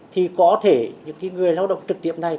thì có thể những người lao động trực tiếp này